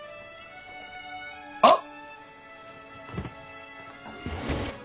あっ！